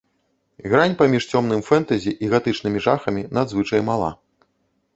Грань паміж цёмным фэнтэзі і гатычнымі жахамі надзвычай мала.